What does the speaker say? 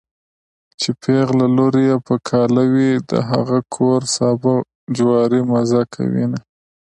چې پېغله لور يې په کاله وي د هغه کور سابه جواری مزه کوينه